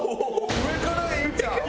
上からいいんちゃう？